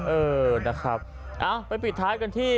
เออนะครับไปปิดท้ายกันที่